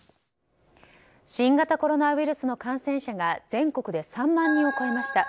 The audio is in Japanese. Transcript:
新型コロナウイルスの感染者が全国で３万人を超えました。